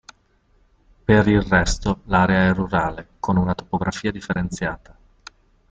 Per il resto, l'area è rurale, con una topografia differenziata.